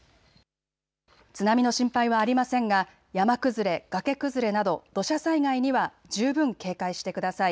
津波の心配はありませんが山崩れ崖崩れなど土砂災害には十分警戒してください。